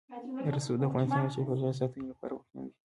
رسوب د افغانستان د چاپیریال ساتنې لپاره مهم دي.